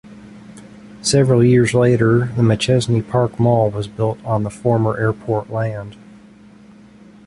Several years later the Machesney Park Mall was built on the former airport land.